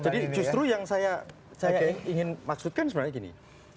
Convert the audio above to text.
jadi justru yang saya ingin maksudkan sebenarnya gini